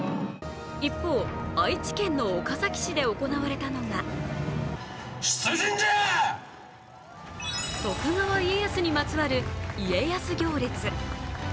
一方、愛知県の岡崎市で行われたのが徳川家康にまつわる家康行列。